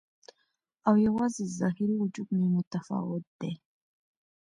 او یوازې ظاهري وجود مې متفاوت دی